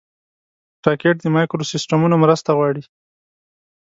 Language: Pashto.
راکټ د مایکروسیسټمونو مرسته غواړي